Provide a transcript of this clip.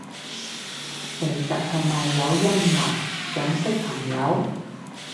其實係咪有陰謀，想識朋友？